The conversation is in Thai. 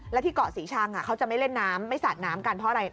และที่เกาะศรีชังเขาจะไม่เล่นน้ำไม่สาดน้ำกันเพราะอะไร